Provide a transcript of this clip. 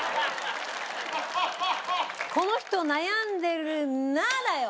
「この人悩んでるな」だよ